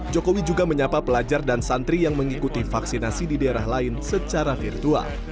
jokowi juga menyapa pelajar dan santri yang mengikuti vaksinasi di daerah lain secara virtual